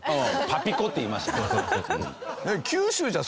「パピィコ」って言いました。